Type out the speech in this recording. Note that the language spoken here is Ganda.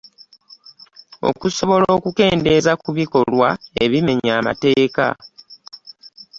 Okusobola okukendeeza ku bikolwa ebimenya amateeka.